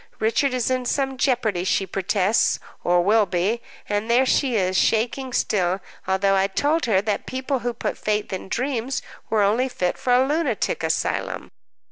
Richard is in some jeopardy, she protests, or will be. And there she is, shaking still, although I told her that people who put faith in dreams were only fit for a lunatic asylum."